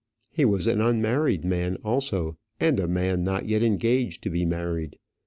He was an unmarried man also, and a man not yet engaged to be married.